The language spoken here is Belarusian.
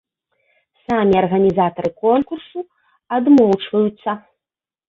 Самі арганізатары конкурсу адмоўчваюцца.